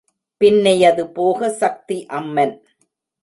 பின்னையது போக சக்தி அம்மன்.